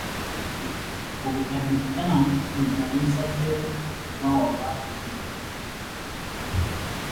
Obukadde butaano bwe nali nsazeewo okubawa baabugaana.